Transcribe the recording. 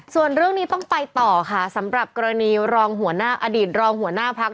ส่วนเรื่องนี้ต้องไปต่อค่ะสำหรับกรณีรองหัวหน้าอดีตรองหัวหน้าพัก